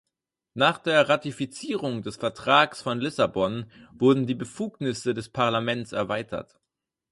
Nach der Ratifizierung des Vertrags von Lissabon wurden die Befugnisse des Parlaments erweitert.